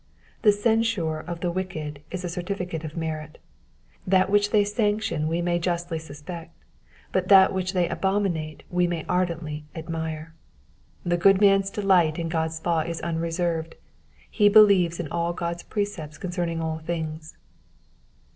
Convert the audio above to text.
The censure of the wicked is a certificate of merit ; that which they sanction we may justly suspect, but that which they ' abominate we may ardently admire. The good man's delight in God's law is unreserved, he believes in all God's precepts concerning all things.